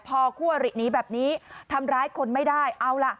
พอคู่อริหนีแบบนี้ทำร้ายคนไม่ได้เอาล่ะ